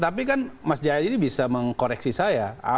tapi kan mas jayadi bisa mengkoreksi saya